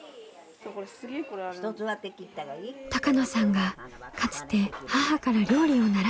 高野さんがかつて母から料理を習った台所。